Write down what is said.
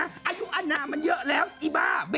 อายุอาหนามันเยอะแล้วอีบ้าเบ้